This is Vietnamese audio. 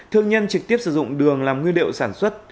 thương nhân trực tiếp sử dụng đường làm nguyên liệu sản xuất